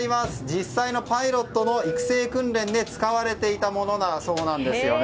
実際のパイロットの育成訓練で使われていたものだそうです。